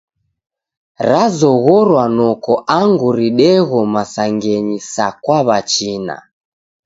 Razoghorwa noko angu ridegho masangenyi sa kwa w'achina.